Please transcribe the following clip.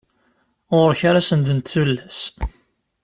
Ɣur-k ara sendent tullas.